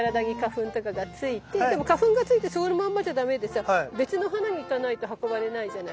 でも花粉が付いてそのまんまじゃダメでさ別の花に行かないと運ばれないじゃない。